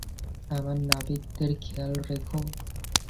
আমার নাবিকদের খেয়াল রেখো।